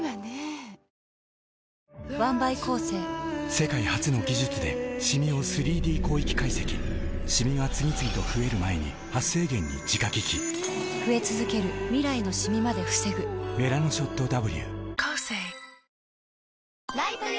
世界初の技術でシミを３Ｄ広域解析シミが次々と増える前に「メラノショットＷ」